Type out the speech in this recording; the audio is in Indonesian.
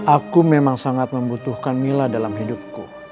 aku memang sangat membutuhkan mila dalam hidupku